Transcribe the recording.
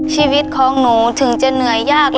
ชีวิตของหนูถึงจะเหนื่อยยาก